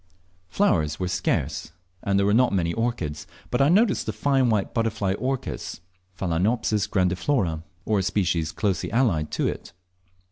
Flowers were scarce, and there were not many orchids, but I noticed the fine white butterfly orchis, Phalaenopsis grandiflora, or a species closely allied to it.